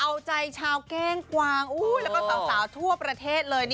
เอาใจชาวแกล้งกวางแล้วก็สาวทั่วประเทศเลย